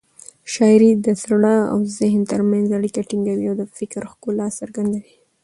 شاعري د زړه او ذهن تر منځ اړیکه ټینګوي او د فکر ښکلا څرګندوي.